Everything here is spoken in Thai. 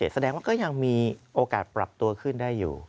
แสดงว่าก็ยังมีโอกาสปรับตัวขึ้นได้อยู่